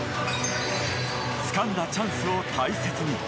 つかんだチャンスを大切に。